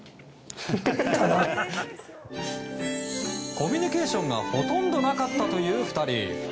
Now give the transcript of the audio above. コミュニケーションがほとんどなかったという２人。